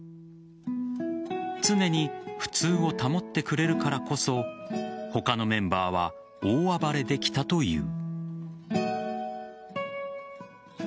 常に普通を保ってくれるからこそ他のメンバーは大暴れできたという。